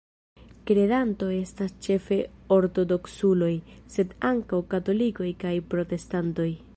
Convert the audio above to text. Kredantoj estas ĉefe ortodoksuloj, sed ankaŭ katolikoj kaj protestantoj.